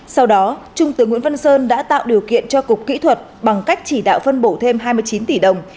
sau đó trung tướng nguyễn văn sơn đã tạo điều kiện cho cục kỹ thuật bằng cách chỉ đạo phân bổ thêm hai mươi chín tỷ đồng